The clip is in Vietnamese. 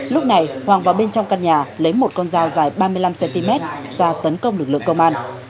lúc này hoàng vào bên trong căn nhà lấy một con dao dài ba mươi năm cm ra tấn công lực lượng công an